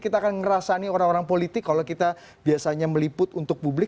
kita akan ngerasani orang orang politik kalau kita biasanya meliput untuk publik